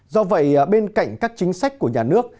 do vậy bên cạnh các chính sách của nhà nước